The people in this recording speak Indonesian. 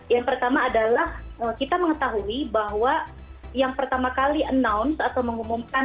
yang pertama adalah kita mengetahui bahwa yang pertama kali announce atau mengumumkan